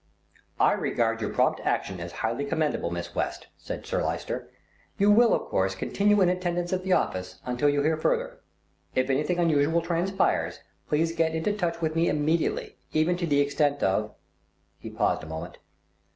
"I regard your prompt action as highly commendable, Miss West," said Sir Lyster. "You will, of course, continue in attendance at the office until you hear further. If anything unusual transpires, please get into touch with me immediately, even to the extent of " he paused a moment.